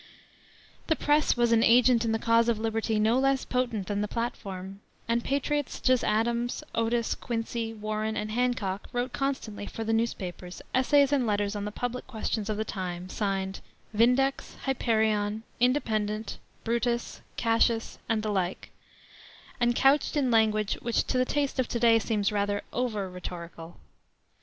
The press was an agent in the cause of liberty no less potent than the platform, and patriots such as Adams, Otis, Quincy, Warren, and Hancock wrote constantly for the newspapers essays and letters on the public questions of the time signed "Vindex," "Hyperion," "Independent," "Brutus," "Cassius," and the like, and couched in language which to the taste of to day seems rather over rhetorical.